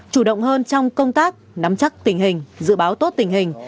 chủ động hơn trong công tác nắm chắc tình hình dự báo tốt tình hình